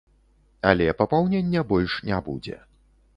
Але папаўнення больш не будзе.